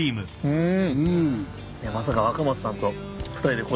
うん。